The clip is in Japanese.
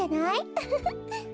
ウフフ。